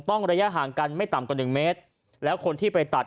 ระยะห่างกันไม่ต่ำกว่าหนึ่งเมตรแล้วคนที่ไปตัด